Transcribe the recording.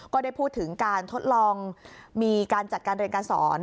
ก็ได้พูดถึงการทดลองมีการจัดการเรียนการสอน